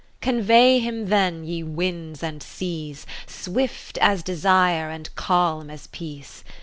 Convey him then, ye Winds and Seas, Swift as Desire and calm as Peace.